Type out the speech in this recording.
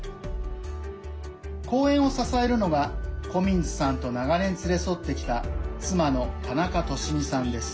公演を支えるのがコミンズさんと長年、連れ添ってきた妻の田中寿美さんです。